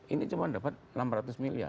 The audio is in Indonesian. ini cuma dapat enam ratus miliar